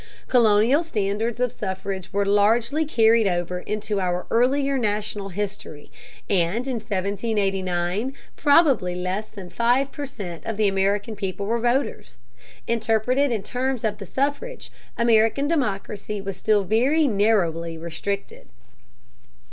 Colonial standards of suffrage were largely carried over into our earlier national history, and in 1789 probably less than five per cent of the American people were voters. Interpreted in terms of the suffrage, American democracy was still very narrowly restricted.